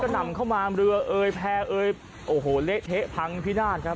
นำเข้ามาเรือเอยแพร่เอยโอ้โหเละเทะพังพินาศครับ